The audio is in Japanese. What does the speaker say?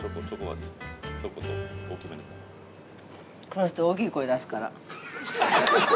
◆この人、大きい声出すから。